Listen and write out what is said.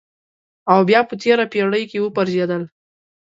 او بیا په تېره پېړۍ کې وپرځېدل.